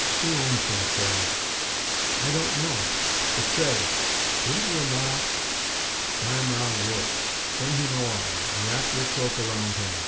Who owns him, Sarah?" "I don't know; but say! Wouldn't your Ma " "My Ma would!! Bring him along, and wrap your cloak around him.